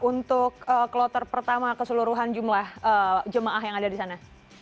untuk kloter pertama keseluruhan jumlah jemaah yang ada di sana